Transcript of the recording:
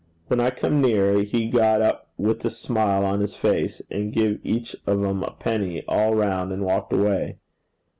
When I come near, he got up with a smile on his face, and give each on 'em a penny all round, and walked away.